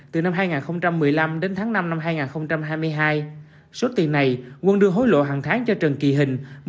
từ năm hai nghìn một mươi năm đến tháng năm năm hai nghìn hai mươi hai số tiền này quân đưa hối lộ hàng tháng cho trần kỳ hình